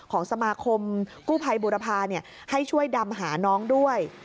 ของสมาคมกู้ภัยบุรพาให้ช่วยดำหาน้องด้วย